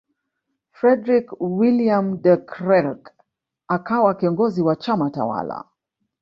Fredrick Willeum De Krelk akawa kiongozi wa chama tawala